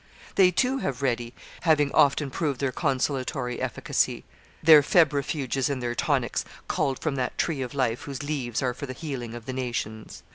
They, too, have ready having often proved their consolatory efficacy their febrifuges and their tonics, culled from that tree of life whose 'leaves are for the healing of the nations.'